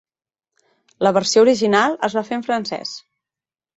La versió original es va fer en francès.